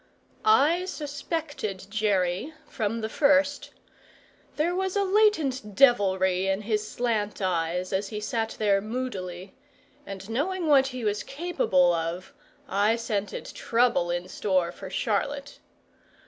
I suspected Jerry from the first; there was a latent devilry in his slant eyes as he sat there moodily, and knowing what he was capable of I scented trouble in store for Charlotte.